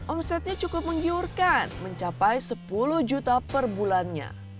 omsetnya cukup menggiurkan mencapai sepuluh juta per bulannya